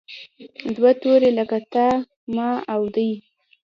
دوه توري لکه تا، ما او دی.